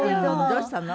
どうしたの？